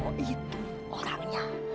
oh itu orangnya